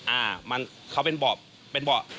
อามันเขาเป็นเบาะ